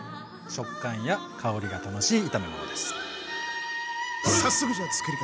食感や香りが楽しい炒め物です。